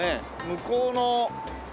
向こうの。